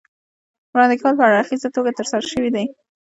وړاندې کول په هراړخیزه توګه ترسره شوي دي.